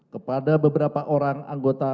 kepada beberapa orang anggota